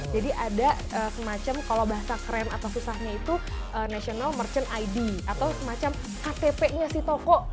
jadi ada semacam kalau bahasa keren atau susahnya itu national merchant id atau semacam ktp nya si toko